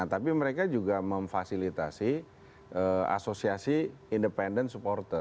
nah tapi mereka juga memfasilitasi eee asosiasi independen supporter